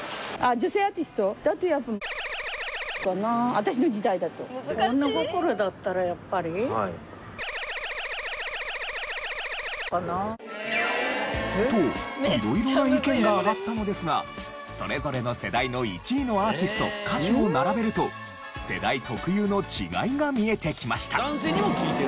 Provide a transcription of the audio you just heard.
私の時代だと。と色々な意見が挙がったのですがそれぞれの世代の１位のアーティスト・歌手を並べると世代特有の違いが見えてきました。